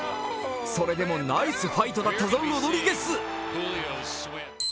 それでもナイスファイトだったぞ、ロドリゲス。